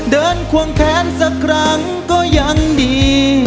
เดินควงแขนสักครั้งก็ยังดี